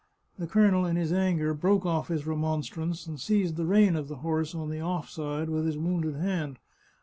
The colonel in his anger broke off his remonstrance, and seized the rein of the horse on the off side with his wounded hand.